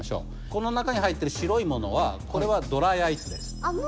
この中に入ってる白いものはこれはドライアイスです。